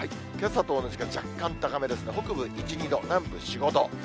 けさと同じか若干高めですが、北部、１、２度、南部４、５度。